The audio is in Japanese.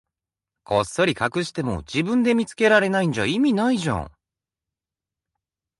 こっそり隠しても、自分で見つけられないんじゃ意味ないじゃん。